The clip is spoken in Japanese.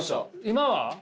今は？